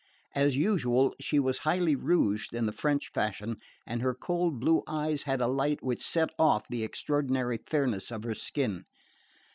As usual, she was highly rouged in the French fashion, and her cold blue eyes had a light which set off the extraordinary fairness of her skin.